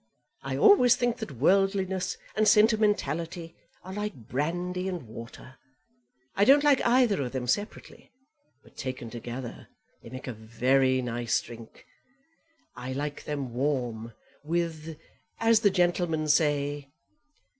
I always think that worldliness and sentimentality are like brandy and water. I don't like either of them separately, but taken together they make a very nice drink. I like them warm, with as the gentlemen say."